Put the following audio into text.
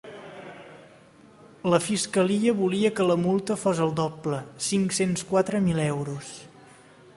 La fiscalia volia que la multa fos el doble, cinc-cents quatre mil euros.